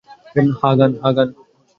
হ্যাঁ, গান।